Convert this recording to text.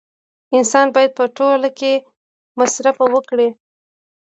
انسان باید په ټوله کې مصرف وکړي